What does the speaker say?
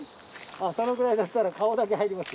そのぐらいだったら顔だけ入ります。